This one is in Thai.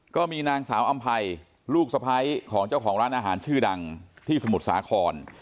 ก็มีนางสาวอำภัยลูกสะพ้ายของเจ้าของร้านอาหารชื่อดังที่สมุทรสาคร